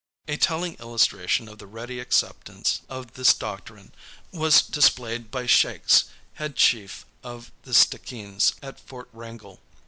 A telling illustration of the ready acceptance of this doctrine was displayed by Shakes, head chief of the Stickeens at Fort Wrangell.